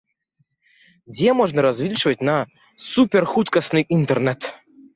Дзе можна разлічваць на суперхуткасных інтэрнэт?